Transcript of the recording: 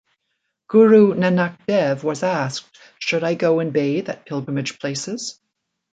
Guru Nanak Dev was asked Should I go and bathe at pilgrimage places?